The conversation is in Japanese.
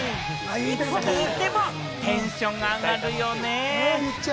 いつ聴いてもテンションが上がるよね。